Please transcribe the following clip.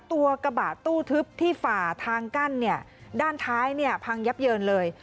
ตัวกระบะตู้ทึบที่ฝ่าทางกั้นเนี่ยด้านท้ายเนี่ยพังยับเยินเลย